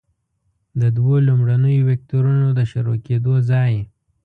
د دوو لومړنیو وکتورونو د شروع کیدو ځای.